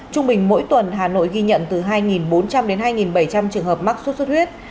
trung bình mỗi tuần hà nội ghi nhận từ hai bốn trăm linh đến hai bảy trăm linh trường hợp mắc sốt xuất huyết